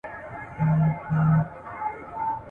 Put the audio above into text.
په مناسبت جشن جوړ کړي !.